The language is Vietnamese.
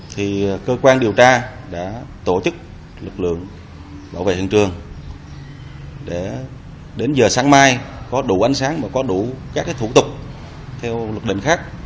thì cơ quan điều tra đã tổ chức lực lượng bảo vệ hiện trường để đến giờ sáng mai có đủ ánh sáng và có đủ các thủ tục theo luật định khác